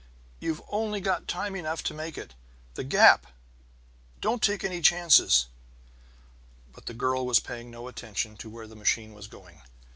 "You've only got time enough to make it! The gap don't take any chances!" But the girl was paying no attention to where the machine was going.